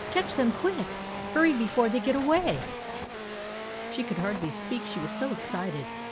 Catch them quick ! Hurry, before they get away !" She could hardly speak, she was so excited.